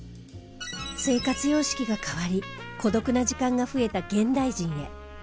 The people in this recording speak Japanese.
生活様式が変わり孤独な時間が増えた現代人へ。